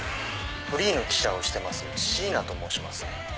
フリーの記者をしてます椎名と申します。